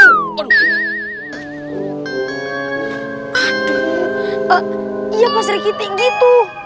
aduh iya pak serikiti gitu